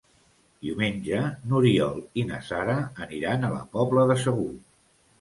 Diumenge n'Oriol i na Sara aniran a la Pobla de Segur.